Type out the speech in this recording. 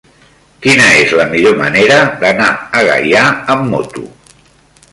Quina és la millor manera d'anar a Gaià amb moto?